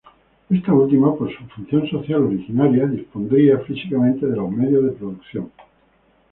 Esta última, por su función social originaria, dispondría físicamente de los medios de producción.